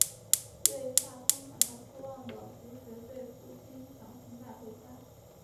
对大风感到失望的福实被父亲强行带回家。